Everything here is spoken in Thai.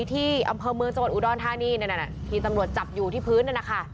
ที่อำเภอเมืองสวนอุดรธานีนที่ตำรวจจับอยู่ที่พื้น